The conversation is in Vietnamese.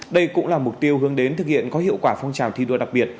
đây cũng là mục tiêu hướng đến thực hiện có hiệu quả phong trào thi đua đặc biệt